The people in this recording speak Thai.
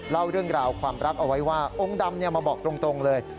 เล่าเรื่องราวความรักเอาไว้ว่าองค์ดำมาบอกตรงเลย